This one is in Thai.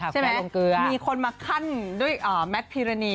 ใช่ไหมมีคนมาคั่นด้วยแม็กซ์พิราณี